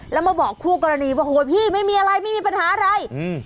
แล้วมาบอกคู่กรณีว่าโหยพี่ไม่มีอะไรไม่มีปัญหาอะไรอืม